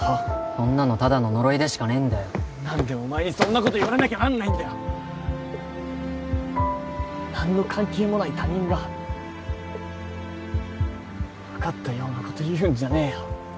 そんなのただの呪いでしかねえんだよ何でお前にそんなこと言われなきゃなんないんだよ何の関係もない他人が分かったようなこと言うんじゃねえよ